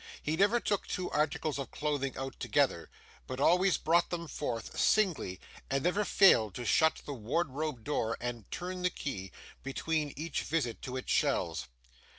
He never took two articles of clothing out together, but always brought them forth, singly, and never failed to shut the wardrobe door, and turn the key, between each visit to its shelves.